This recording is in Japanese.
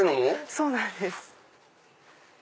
そうなんです。